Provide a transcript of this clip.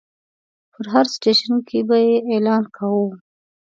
په هر سټیشن کې به یې اعلان کاوه.